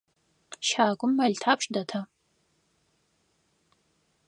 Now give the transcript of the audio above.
Щагум мэл тхьапш дэта?